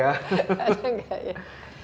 ada nggak ya